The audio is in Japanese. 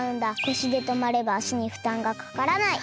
腰でとまればあしにふたんがかからない。